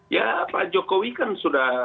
ya pak jokowi kan sudah